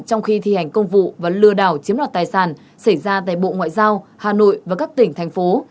trong khi thi hành công vụ và lừa đảo chiếm đoạt tài sản xảy ra tại bộ ngoại giao hà nội và các tỉnh thành phố